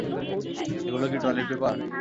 এগুলো কি toilet paper?